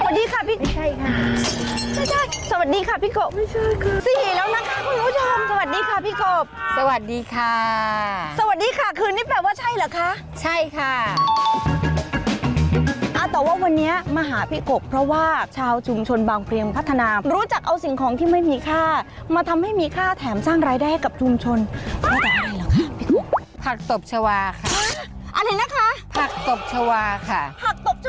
สวัสดีค่ะพี่กบไม่ใช่ค่ะพี่กบไม่ใช่ค่ะพี่กบไม่ใช่ค่ะพี่กบไม่ใช่ค่ะพี่กบไม่ใช่ค่ะพี่กบไม่ใช่ค่ะพี่กบไม่ใช่ค่ะพี่กบไม่ใช่ค่ะพี่กบไม่ใช่ค่ะพี่กบไม่ใช่ค่ะพี่กบไม่ใช่ค่ะพี่กบไม่ใช่ค่ะพี่กบไม่ใช่ค่ะพี่กบไม่ใช่ค่ะพี่กบไม่ใช่ค่ะพี่กบไม่ใช่ค่ะพ